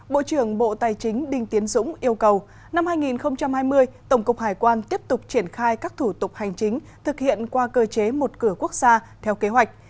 bộ trưởng bộ tài chính đinh tiến dũng yêu cầu năm hai nghìn hai mươi tổng cục hải quan tiếp tục triển khai các thủ tục hành chính thực hiện qua cơ chế một cửa quốc gia theo kế hoạch